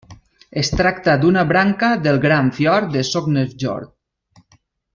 Es tracta d'una branca del gran fiord de Sognefjord.